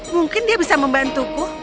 mungkin dia bisa membantuku